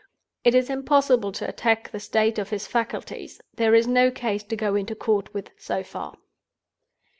It is impossible to attack the state of his faculties: there is no case to go into court with, so far.